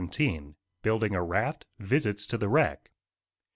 * *Building a Raft; Visits to the Wreck.